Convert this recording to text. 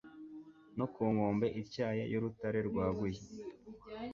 no ku nkombe ityaye y'urutare rwaguye